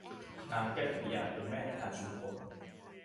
นางแก้วกิริยาเป็นแม่พลายชุมพล